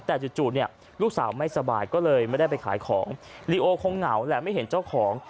แต่จู่เนี่ยลูกสาวไม่สบายก็เลยไม่ได้ไปขายของลีโอคงเหงาแหละไม่เห็นเจ้าของ